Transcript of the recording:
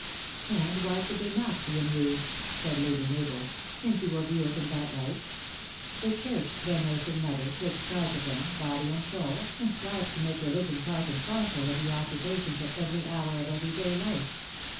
" And why should they not be amused ?" said Lady Mabel, " since you will view it in that light ? The church, their nursing mother, takes charge of them, body and soul, and strives to make religion part and parcel of the occupations of every hour of every day life.